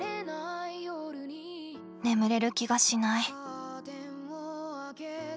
眠れる気がしない。